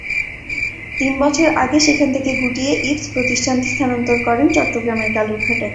তিন বছর আগে সেখান থেকে গুটিয়ে ইভস প্রতিষ্ঠানটি স্থানান্তর করেন চট্টগ্রামের কালুরঘাটে।